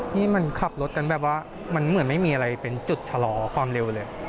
นี่มันขับรถกันแบบว่ามันเหมือนไม่มีอะไรเป็นจุดชะลอความเร็วเลย